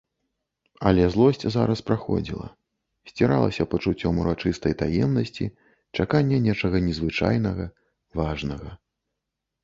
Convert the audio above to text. Але злосць зараз праходзіла, сціралася пачуццём урачыстай таемнасці, чакання нечага незвычайнага, важнага.